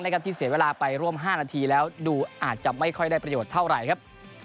ที่เสียเวลาไปร่วม๕นาทีแล้วดูอาจจะไม่ค่อยได้ประโยชน์เท่าไหร่ครับ